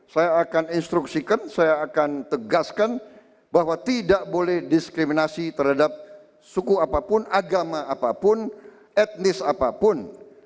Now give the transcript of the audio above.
saya akan instruksikan saya akan tegaskan bahwa tidak boleh diskriminasi terhadap suku apapun agama apapun etnis apapun